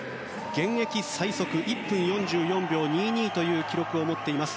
現役最速１分４４秒２２という記録を持っています